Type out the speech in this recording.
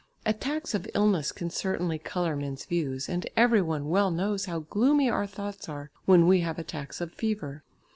Attacks of illness can certainly colour men's views, and every one well knows how gloomy our thoughts are when we have attacks of fever.